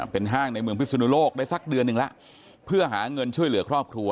เป็นห้างในเมืองพิศนุโลกได้สักเดือนหนึ่งแล้วเพื่อหาเงินช่วยเหลือครอบครัว